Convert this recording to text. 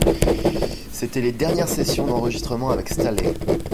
C'était les dernières sessions d'enregistrement avec Staley.